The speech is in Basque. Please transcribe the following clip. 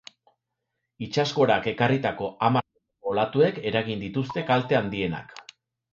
Itsasgorak ekarritako hamar metroko olatuek eragin dituzte kalte handienak.